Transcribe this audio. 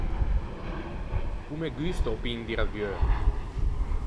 O me gusta o pin di ravieu.